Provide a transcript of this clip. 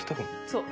そう。